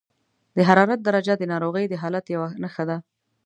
د حرارت درجه د ناروغۍ د حالت یوه نښه ده.